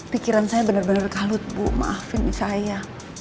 pikiran saya benar benar kalut bu maafin saya